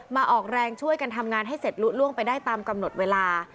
มาออกแรงช่วยกันทำงานให้เสร็จลุล่วงไปได้ตามกำหนดเวลา